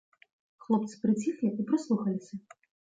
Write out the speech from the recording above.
Хлопцы прыціхлі і прыслухаліся.